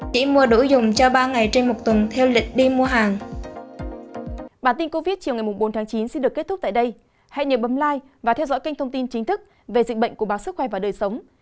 chỉ mua đủ dùng cho ba ngày trên một tuần theo lịch đi mua hàng